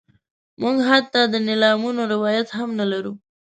موږ حتی د نیلامونو روایت هم نه لرو.